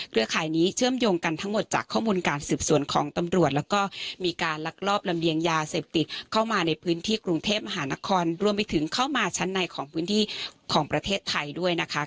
ข่ายนี้เชื่อมโยงกันทั้งหมดจากข้อมูลการสืบสวนของตำรวจแล้วก็มีการลักลอบลำเลียงยาเสพติดเข้ามาในพื้นที่กรุงเทพมหานครรวมไปถึงเข้ามาชั้นในของพื้นที่ของประเทศไทยด้วยนะคะ